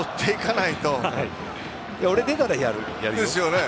俺、出たらやるよ。